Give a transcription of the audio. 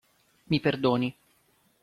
Mi perdoni.